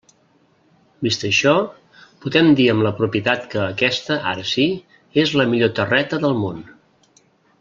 Vist això, podem dir amb propietat que aquesta, ara sí, és la millor terreta del món.